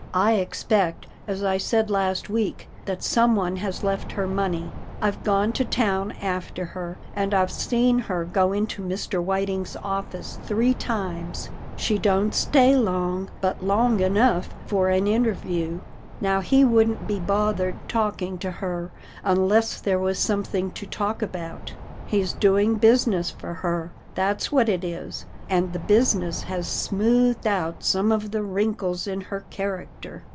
I expect, as I said last week, that someone has left her money. I've gone to town after her, and I've seen her go into Mr. Whiting's office three times. She don't stay long, but long enough for an interview. Now he wouldn't be bothered talk ing to her unless there was something to talk about. He's doing business for her, that's what it is, and the business has smoothed out some of the wrinkles in her character.